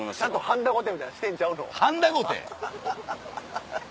はんだごて⁉